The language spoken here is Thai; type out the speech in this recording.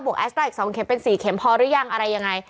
แอสต้าอีก๒เข็มเป็น๔เข็มพอหรือยังอะไรยังไง